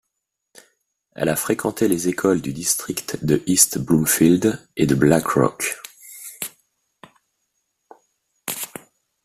Elle a fréquenté les écoles du district de East Bloomfield et de Black Rock.